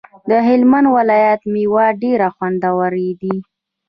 د هلمند ولایت ميوی ډيری خوندوری دی